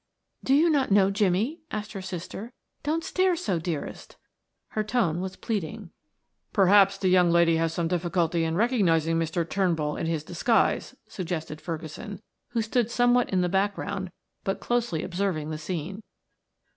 "Do you not know Jimmie?" asked her sister. "Don't stare so, dearest." Her tone was pleading. "Perhaps the young lady has some difficulty in recognizing Mr. Turnbull in his disguise," suggested Ferguson, who stood somewhat in the background but closely observing the scene.